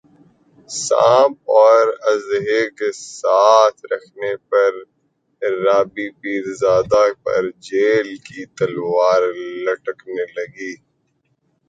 سانپ اور اژدھے ساتھ رکھنے پر رابی پیرزادہ پر جیل کی تلوار لٹکنے لگی